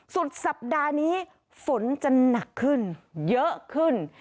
สุดสัปดาห์นี้ฝนจะหนักขึ้นเยอะขึ้น